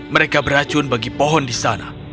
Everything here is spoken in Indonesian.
mereka beracun bagi pohon di sana